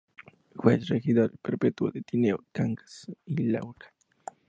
Juez y regidor perpetuo de Tineo, Cangas y Luarca.